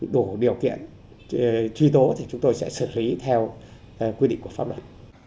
đủ điều kiện truy tố thì chúng tôi sẽ xử lý theo quy định của pháp luật